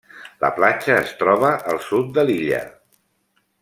La platja es troba al sud de l'illa.